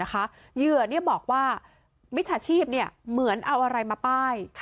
เหยื่อบอกว่ามิจฉาชีพเหมือนเอาอะไรมาป้าย